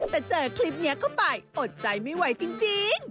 แต่เจอคลิปนี้เข้าไปอดใจไม่ไหวจริง